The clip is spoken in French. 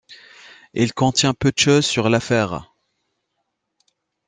Elle contient peu de choses sur l'affaire.